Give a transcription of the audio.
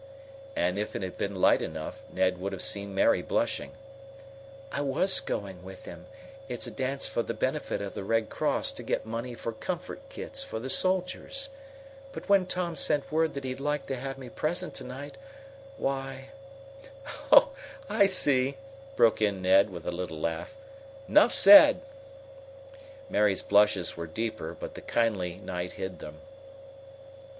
And if it had been light enough Ned would have seen Mary blushing. "I was going with him. It's a dance for the benefit of the Red Cross to get money for comfort kits for the soldiers. But when Tom sent word that he'd like to have me present to night, why " "Oh, I see!" broke in Ned, with a little laugh. "'Nough said!" Mary's blushes were deeper, but the kindly night hid them.